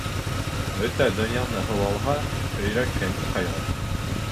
Бөтә донъяны һыу алһа, өйрәккә ни ҡайғы?